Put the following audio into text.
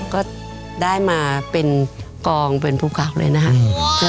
ก็ได้มาเป็นกองเป็นภูเขาเลยนะครับ